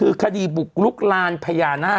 กรมป้องกันแล้วก็บรรเทาสาธารณภัยนะคะ